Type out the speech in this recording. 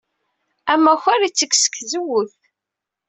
Amakar yettekk seg tzewwut.